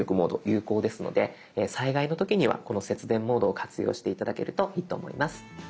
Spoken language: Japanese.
有効ですので災害の時にはこの節電モードを活用して頂けるといいと思います。